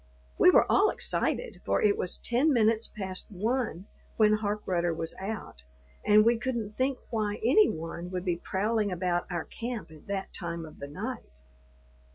We were all excited, for it was ten minutes past one when Harkrudder was out, and we couldn't think why any one would be prowling about our camp at that time of the night.